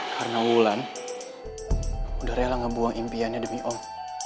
karena wulan udah rela ngebuang impiannya demi om